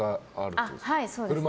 そうです。